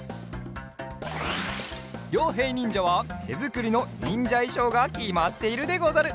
りょうへいにんじゃはてづくりのにんじゃいしょうがきまっているでござる。